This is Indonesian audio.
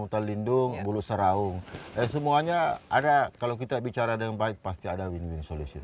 hutan lindung bulu saraung semuanya ada kalau kita bicara dengan baik pasti ada win win solution